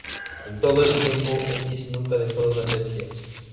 En todo ese tiempo Ellis nunca dejó de hacer giras.